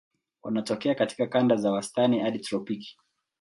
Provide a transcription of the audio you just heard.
Wanatokea katika kanda za wastani hadi tropiki.